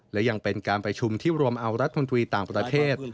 และยังเป็นการประชุมที่รวมเอารัฐมนตรีต่างประเทศ